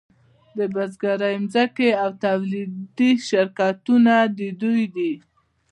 د بزګرۍ ځمکې او تولیدي شرکتونه د دوی دي